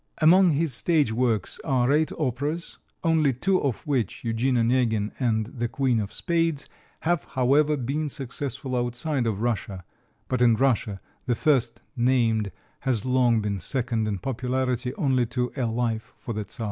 Among his stage works are eight operas, only two of which, "Eugene Onegin" and "The Queen of Spades," have, however, been successful outside of Russia; but in Russia the first named has long been second in popularity only to "A Life for the Czar."